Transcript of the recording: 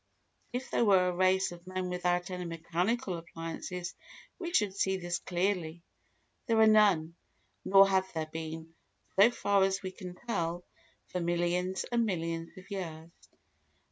If there were a race of men without any mechanical appliances we should see this clearly. There are none, nor have there been, so far as we can tell, for millions and millions of years.